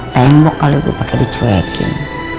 tembok kali itu pakai dicuekin